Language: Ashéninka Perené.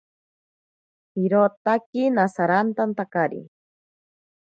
Irotaki nasharantantakari.